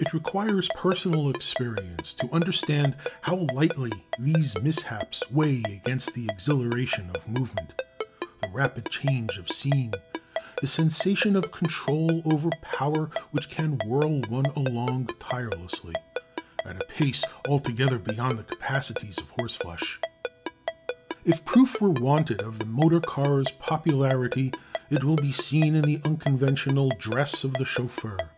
It requires personal experience to understand how lightly these mishaps weigh against the exhilaration of movement, the rapid change of scene, the sensation of control over power which can whirl one along tirelessly at a pace altogether beyond the capacities of horseflesh. If proof were wanted of the motor car's popularity it will be seen in the unconventional dress of the chauffeur.